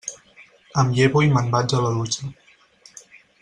Em llevo i me'n vaig a la dutxa.